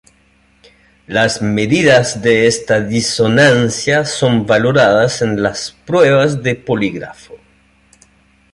Las medidas de esta disonancia, son valoradas en las pruebas de polígrafo.